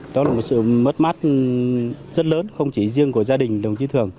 đó là một sự mất mát rất lớn không chỉ riêng của gia đình đồng chí thường